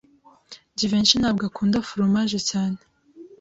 Jivency ntabwo akunda foromaje cyane.